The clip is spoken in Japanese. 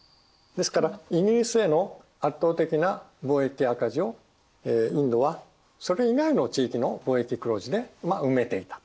ですからイギリスへの圧倒的な貿易赤字をインドはそれ以外の地域の貿易黒字で埋めていた。